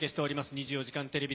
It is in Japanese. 『２４時間テレビ』。